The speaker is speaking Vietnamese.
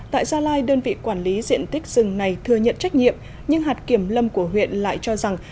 tại gia lai đơn vị quản lý diện tích rừng này thừa nhận trách nhiệm nhưng hạt kiểm lâm của huyện lại cho rằng